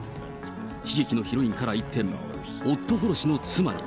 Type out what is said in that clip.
悲劇のヒロインから一転、夫殺しの妻に。